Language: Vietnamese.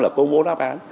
là công bố đáp án